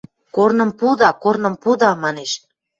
– Корным пуда, корным пуда, – манеш.